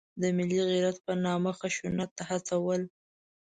د ملي غیرت په نامه خشونت ته هڅول.